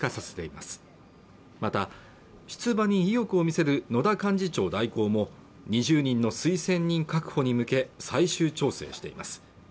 また出馬に意欲を見せる野田幹事長代行も２０人の推薦人確保に向け最終調整しています